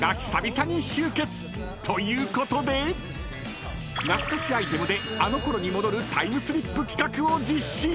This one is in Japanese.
［ということで懐かしアイテムであのころに戻るタイムスリップ企画を実施］